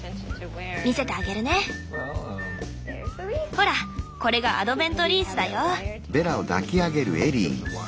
ほらこれがアドベントリースだよ。